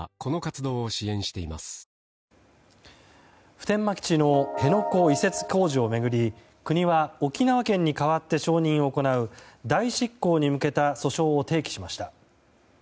普天間基地の辺野古移設工事を巡り国は、沖縄県に代わって承認を行う代執行に向けた訴訟を提起しました。